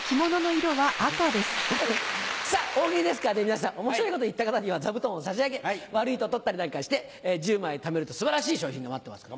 大喜利ですからね皆さん面白いこと言った方には座布団を差し上げ悪いと取ったりなんかして１０枚ためると素晴らしい賞品が待ってますから。